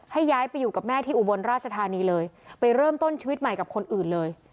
ย้ายไปอยู่กับแม่ที่อุบลราชธานีเลยไปเริ่มต้นชีวิตใหม่กับคนอื่นเลย